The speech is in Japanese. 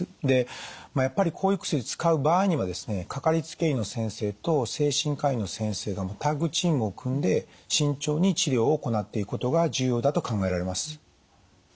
でやっぱりこういう薬使う場合にはですねかかりつけ医の先生と精神科医の先生がタッグチームを組んで慎重に治療を行っていくことが重要だと考えられます。